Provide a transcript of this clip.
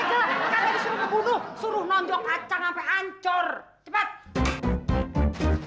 eh lu toko anda udah menterak kenapa